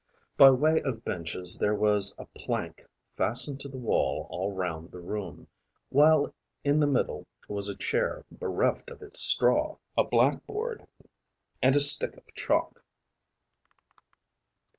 By way of benches there was a plank fastened to the wall all round the room, while in the middle was a chair bereft of its straw, a black board and a stick of chalk.